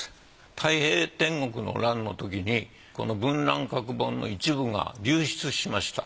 太平天国の乱のときにこの文瀾閣本の一部が流出しました。